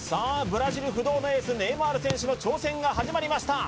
ブラジル不動のエースネイマール選手の挑戦が始まりました